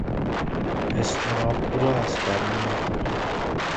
اضطراب او را از درون میخورد.